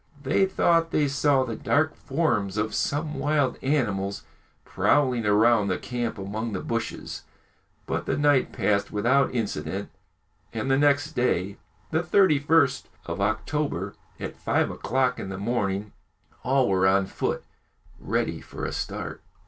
They thought they saw the dark forms of some wild animals prowling round the camp among the bushes, but the night passed without incident, and the next day, the 31st of October, at five o'clock in the morning, all were on foot, ready for a start.